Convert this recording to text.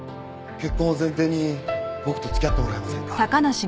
結婚を前提に僕と付き合ってもらえませんか？